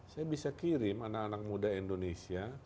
saya bisa kirim anak anak muda indonesia